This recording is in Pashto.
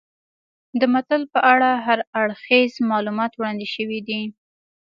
د متل په اړه هر اړخیز معلومات وړاندې شوي دي